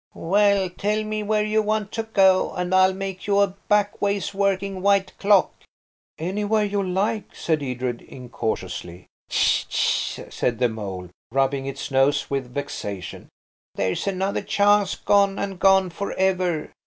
Well, tell me where you want to go, and I'll make you a backways working white clock." "Anywhere you like," said Edred incautiously. "Tch, tch!" said the mole, rubbing its nose with vexation. "There's another chance gone, and gone for ever.